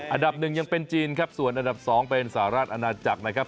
อันดับหนึ่งยังเป็นจีนครับส่วนอันดับ๒เป็นสหราชอาณาจักรนะครับ